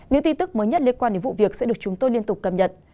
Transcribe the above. những tin tức mới nhất liên quan đến vụ việc sẽ được chúng tôi liên tục cập nhật